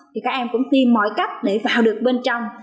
thì các em cũng tìm mọi cách để vào được bên trong